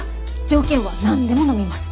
条件は何でものみます！